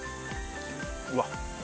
うわっ。